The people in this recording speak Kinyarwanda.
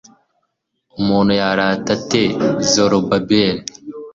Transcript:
umuntu yarata ate zorobabeli